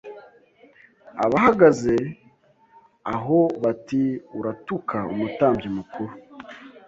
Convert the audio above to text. Abahagaze aho bati Uratuka umutambyi mukuru